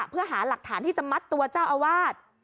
เพื่อหาหลักฐานที่จะมัดตัวเจ้าอาวาส